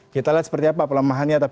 kita lihat seperti apa pelemahannya